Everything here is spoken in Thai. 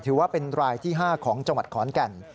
ถือว่าเป็นรายที่๕ของจังหวัดขอนแก่น